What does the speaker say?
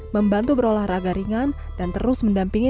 membantu berolahraga ringan dan terus mendampingi